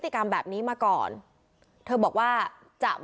พี่น้องวาหรือว่าน้องวาหรือ